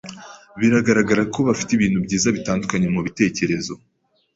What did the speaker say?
Biragaragara ko bafite ibintu bitandukanye mubitekerezo.